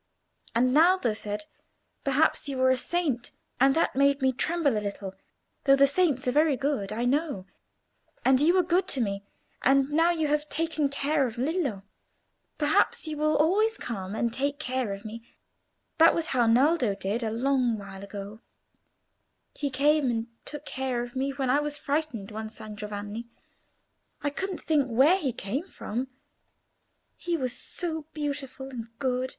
And Naldo said, perhaps you were a saint, and that made me tremble a little, though the saints are very good, I know; and you were good to me, and now you have taken care of Lillo. Perhaps you will always come and take care of me. That was how Naldo did a long while ago; he came and took care of me when I was frightened, one San Giovanni. I couldn't think where he came from—he was so beautiful and good.